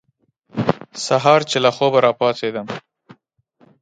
سهار چې له خوبه را پاڅېدم.